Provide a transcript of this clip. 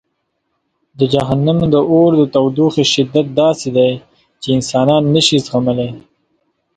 د جهنم د اور د تودوخې شدت داسې دی چې انسانان نه شي زغملی.